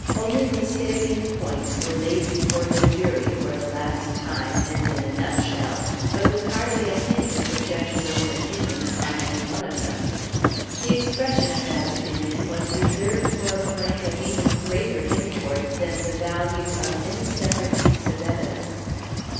Only the salient points were laid before the jury, for the last time, and in a nutshell, but with hardly a hint of the judge's own opinion upon any one of them. The expression of that opinion was reserved for a point of even greater import than the value of any separate piece of evidence.